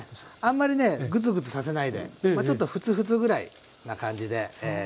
あんまりねグツグツさせないでまあちょっとフツフツぐらいな感じで煮て下さい。